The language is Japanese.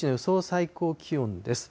最高気温です。